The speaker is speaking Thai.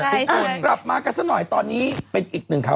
เอ้าก็กลับมากันสักหน่อยตอนนี้เป็นอีกหนึ่งค่ะ